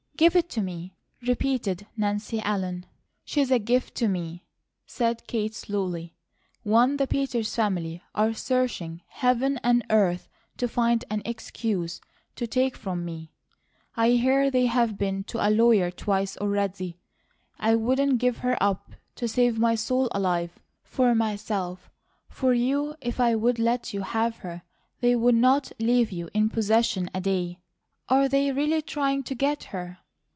"Give it to me," repeated Nancy Ellen. "She's a gift to me," said Kate, slowly. "One the Peters family are searching heaven and earth to find an excuse to take from me. I hear they've been to a lawyer twice, already. I wouldn't give her up to save my soul alive, for myself; for you, if I would let you have her, they would not leave you in possession a day." "Are they really trying to get her?"